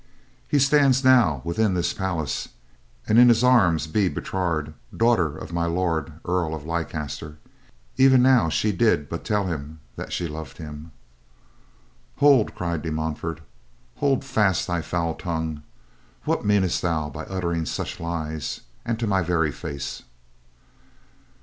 "He stands now within this palace and in his arms be Bertrade, daughter of My Lord Earl of Leicester. Even now she did but tell him that she loved him." "Hold," cried De Montfort. "Hold fast thy foul tongue. What meanest thou by uttering such lies, and to my very face?"